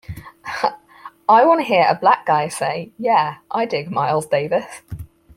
I wanna hear a black guy say 'Yeah, I dig Miles Davis.